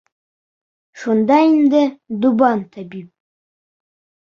Шунда инде Дубан табип: